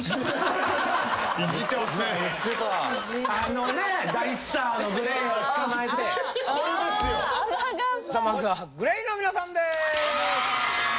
じゃまずはＧＬＡＹの皆さんです。